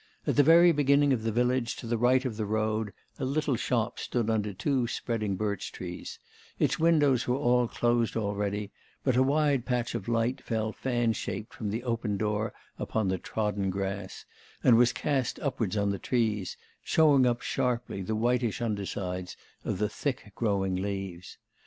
At the very beginning of the village, to the right of the road, a little shop stood under two spreading birch trees; its windows were all closed already, but a wide patch of light fell fan shaped from the open door upon the trodden grass, and was cast upwards on the trees, showing up sharply the whitish undersides of the thick growing leaves.